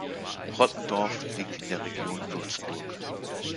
Rottendorf liegt in der Region Würzburg.